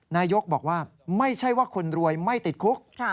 นายกบอกว่าไม่ใช่ว่าคนรวยไม่ติดคุก